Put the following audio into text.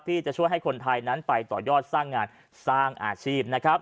ที่จะช่วยให้คนไทยนั้นไปต่อยอดสร้างงานสร้างอาชีพนะครับ